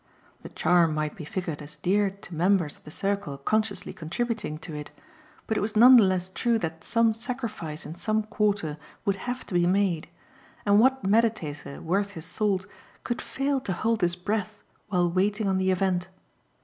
The charm might be figured as dear to members of the circle consciously contributing to it, but it was none the less true that some sacrifice in some quarter would have to be made, and what meditator worth his salt could fail to hold his breath while waiting on the event?